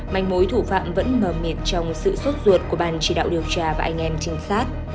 mảnh mối thủ phạm vẫn mờ miệng trong sự sốt ruột của bàn chỉ đạo điều tra và anh em trình sát